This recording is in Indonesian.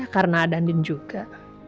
karena ada andin juga